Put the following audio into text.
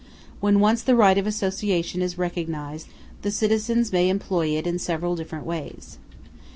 When once the right of association is recognized, the citizens may employ it in several different ways.